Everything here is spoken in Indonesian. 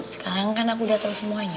sekarang kan aku udah tahu semuanya